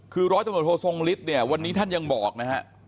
คือร้อยตำรวจโททรงฤทธิ์เนี่ยวันนี้ท่านยังบอกนะฮะ